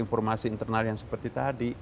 informasi internal yang seperti tadi